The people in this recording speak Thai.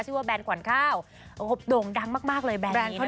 ชื่อว่าแบรนด์กว่านข้าวกลงดั๊งมากเลยแบรนด์นี้นะคะ